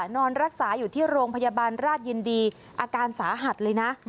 นอนรักษาอยู่ที่โรงพยาบาลราชยินดีอาการสาหัสเลยนะ